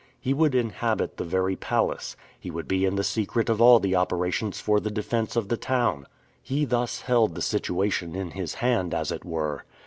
He would inhabit the very palace. He would be in the secret of all the operations for the defense of the town. He thus held the situation in his hand, as it were.